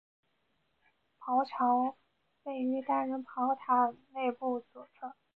炮长位于单人炮塔内部左侧。